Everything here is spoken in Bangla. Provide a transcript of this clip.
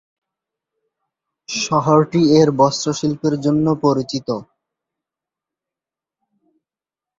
শহরটি এর বস্ত্র শিল্পের জন্য পরিচিত।